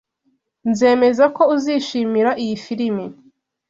Nzemeza ko uzishimira iyi firime.